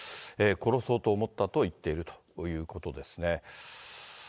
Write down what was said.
殺そうと思ったと言っているということですね。